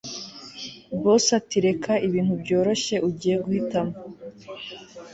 Boss atireka ibintu tubyoroshye ugiye guhitamo